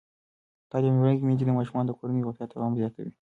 تعلیم لرونکې میندې د ماشومانو د کورنۍ روغتیا ته پام زیاتوي.